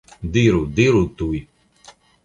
Diru, diru tuj!